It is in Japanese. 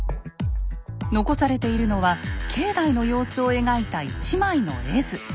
残されているのは境内の様子を描いた一枚の絵図。